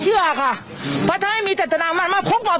คือกับคำสารภาพที่เขาบอกว่า